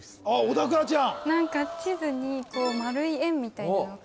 小田倉ちゃん